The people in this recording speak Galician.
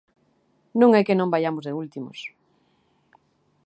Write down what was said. Non é que non vaiamos de últimos.